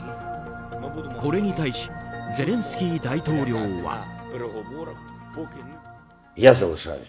これに対しゼレンスキー大統領は。